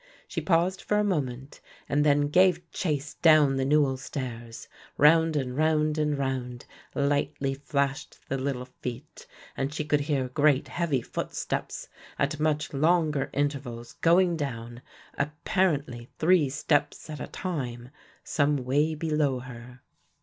She paused for a moment and then gave chase down the newel stairs. Round and round and round lightly flashed the little feet and she could hear great heavy footsteps at much longer intervals going down, apparently three steps at a time, some way below her.